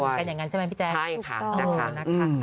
อยู่กันอย่างนั้นใช่ไหมพี่แจ๊ใช่ค่ะโอ้นักข่าว